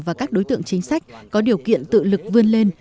và các đối tượng chính sách có điều kiện tự lực vươn lên